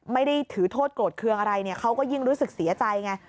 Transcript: ไม่ได้ถือโทษโกรธเครื่องอะไรเนี่ยเขาก็ยิ่งรู้สึกเสียใจไง